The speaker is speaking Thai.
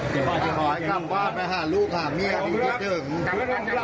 ขอให้กลับบ้านมาหาลูกหาเมียที่ติดตรึง